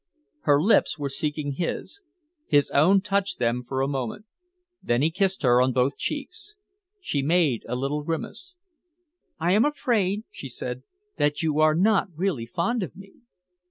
Her lips were seeking his. His own touched them for a moment. Then he kissed her on both cheeks. She made a little grimace. "I am afraid," she said, "that you are not really fond of me."